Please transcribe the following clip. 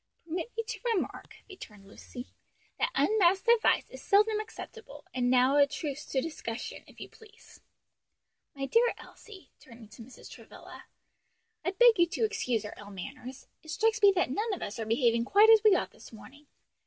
"Permit me to remark," returned Lucy, "that unmasked advice is seldom acceptable, and now a truce to discussion, if you please. My dear Elsie," turning to Mrs. Travilla, "I beg you to excuse our ill manners. It strikes me that none of us are behaving quite as we ought this morning.